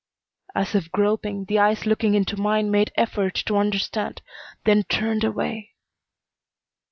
As if groping, the eyes looking into mine made effort to understand, then turned away.